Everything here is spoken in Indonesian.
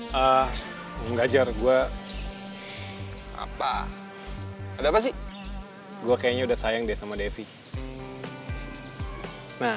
hai ah mengajar gua apa ada pasti gua kayaknya udah sayang deh sama devi nah